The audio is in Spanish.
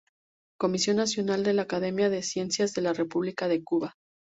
Comisión Nacional de la Academia de Ciencias de la República de Cuba.